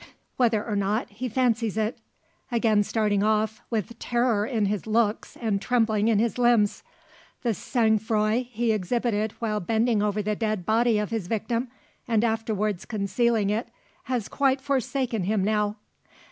Whether or not, he fancies it; again starting off, with terror in his looks, and trembling in his limbs. The sangfroid he exhibited while bending over the dead body of his victim, and afterwards concealing it, has quite forsaken him now.